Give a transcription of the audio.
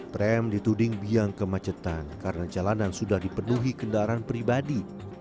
tram dituding biang kemacetan karena jalanan sudah dipenuhi kendaraan pribadi